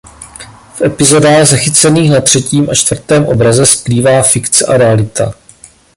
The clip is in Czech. V epizodách zachycených na třetím a čtvrtém obraze splývá fikce a realita.